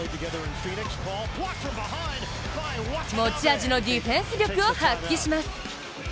持ち味のディフェンス力を発揮します。